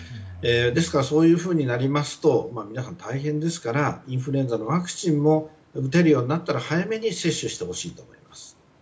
ですから、そういうふうになると皆さん、大変ですからインフルエンザのワクチンを打てるようになったら早めに接種してほしいと思います。